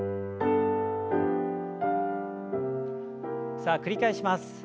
さあ繰り返します。